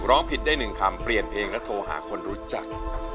ร้องผิดได้๑คำเปลี่ยนเพลงและโทรหาคนรู้จัก